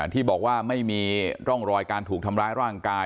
ที่บอกว่าไม่มีร่องรอยการถูกทำร้ายร่างกาย